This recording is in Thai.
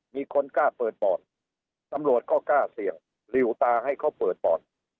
มีคนกล้าเปิดปอดตำรวจก็กล้าเสี่ยงหลิวตาให้เขาเปิดปอด